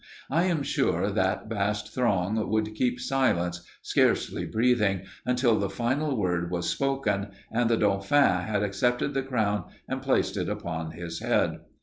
I am sure that vast throng would keep silence, scarcely breathing, until the final word was spoken and the dauphin had accepted the crown and placed it upon his head.